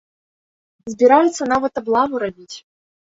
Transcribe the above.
Збіраюцца нават аблаву рабіць.